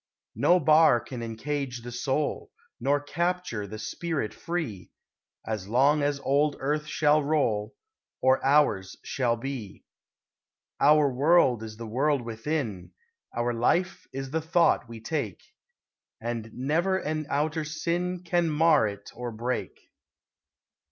No bar can encage the soul, Nor capture the spirit free, As long as old earth shall roll, Or hours shall be. Our world is the world within, Our life is the thought we take, And never an outer sin Can mar it or break.